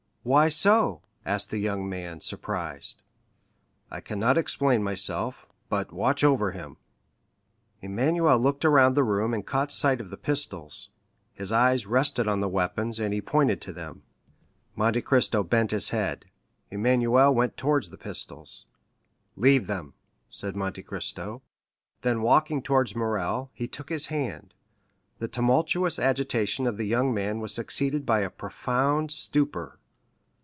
"Why so?" asked the young man, surprised. "I cannot explain myself; but watch over him." Emmanuel looked around the room and caught sight of the pistols; his eyes rested on the weapons, and he pointed to them. Monte Cristo bent his head. Emmanuel went towards the pistols. "Leave them," said Monte Cristo. Then walking towards Morrel, he took his hand; the tumultuous agitation of the young man was succeeded by a profound stupor.